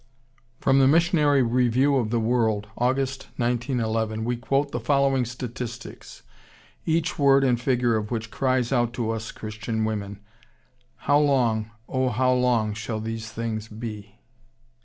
] From the Missionary Review of the World (August, 1911) we quote the following statistics, each word and figure of which cries out to us Christian women, "How long, oh, how long, shall these things be?"